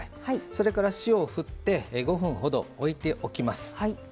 それから塩を振って５分ほど置いておきます。